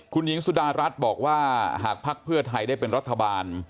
คุณหญิงสุดารัฐบอกว่าหากภักดิ์เพื่อไทยได้เป็นรัฐบาล